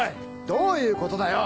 どういうことだよ！